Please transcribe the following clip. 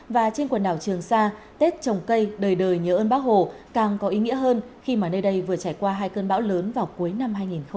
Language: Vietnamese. và trên quần đảo trường sa tết trồng cây đời đời nhớ ơn bác hồ càng có ý nghĩa hơn khi mà nơi đây vừa trải qua hai cơn bão lớn vào cuối năm hai nghìn hai mươi